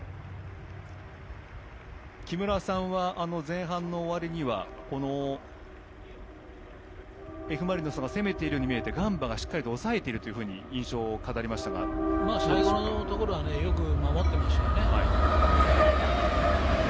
木村さんは前半の終わりにはＦ・マリノスが攻めているように見えてガンバがしっかり抑えているという印象を最後の方はよく守っていましたね。